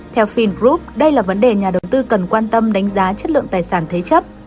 theo fin group đây là vấn đề nhà đầu tư cần quan tâm đánh giá chất lượng tài sản thế chấp